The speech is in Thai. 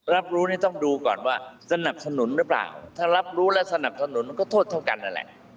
รับรู้นี่ต้องดูก่อนว่าสนับสนุนหรือเปล่าถ้ารับรู้และสนับสนุนมันก็โทษเท่ากันนั่นแหละ